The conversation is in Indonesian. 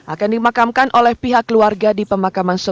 akan dimakamkan oleh pihak keluarga di pemakaman